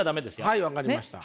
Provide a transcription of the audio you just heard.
はい分かりました。